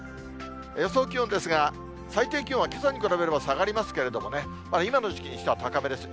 予想気温ですが、最低気温はけさに比べれば下がりますけれどもね、今の時期にしては高めです。